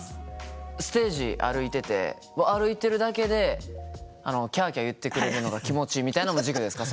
ステージ歩いてて歩いてるだけでキャキャ言ってくれるのが気持ちいいみたいのも軸ですか？